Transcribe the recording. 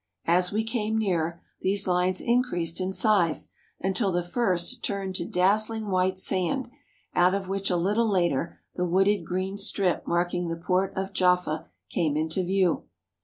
As we came nearer, these lines increased in size, until the first turned to daz zling white sand, out of which a little later the wooded green strip marking the port of Jaffa came into view.